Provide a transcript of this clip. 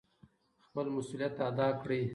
خپل مسؤلیت ادا کړئ.